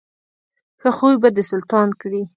ښه خوی به دې سلطان کړي.